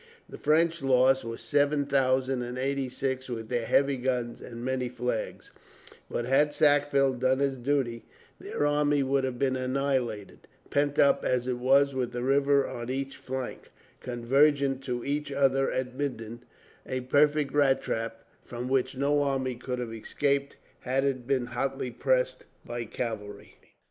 The French loss was seven thousand and eighty six, with their heavy guns and many flags; but had Sackville done his duty, their army would have been annihilated, pent up as it was with the river on each flank, convergent to each other at Minden; a perfect rat trap from which no army could have escaped, had it been hotly pressed by cavalry.